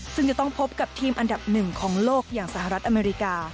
ซึ่งจะต้องพบกับทีมอันดับหนึ่งของโลกอย่างสหรัฐอเมริกา